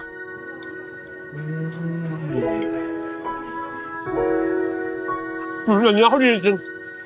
อื้อหื้อเหมือนเดิมเนี้ยเขาก็ดี่จริง